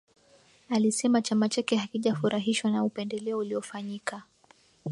Alisema chama chake hakijafurahishwa na upendeleo uliofanyika